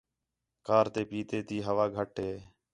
کار تے پِھیتے تی ہوا گھٹ ہے